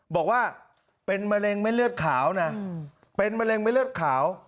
บอกว่าเป็นมะเร็งไม่เลือดขาวนะเป็นมะเร็งไม่เลือดขาว